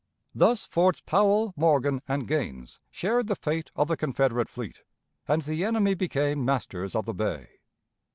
Thus Forts Powel, Morgan, and Gaines shared the fate of the Confederate fleet, and the enemy became masters of the bay.